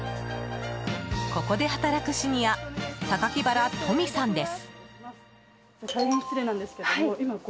ここで働くシニア榊原登美さんです。